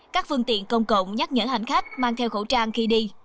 các phương tiện công cộng nhắc nhở hành khách mang theo khẩu trang khi đi